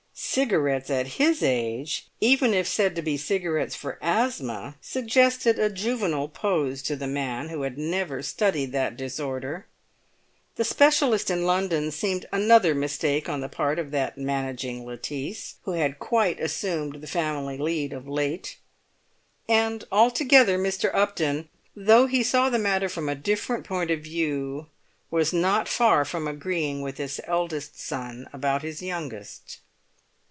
Cigarettes at his age, even if said to be cigarettes for asthma, suggested a juvenile pose to the man who had never studied that disorder. The specialist in London seemed another mistake on the part of that managing Lettice, who had quite assumed the family lead of late. And altogether Mr. Upton, though he saw the matter from a different point of view, was not far from agreeing with his eldest son about his youngest.